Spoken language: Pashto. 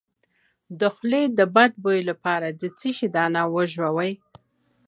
د خولې د بد بوی لپاره د څه شي دانه وژويئ؟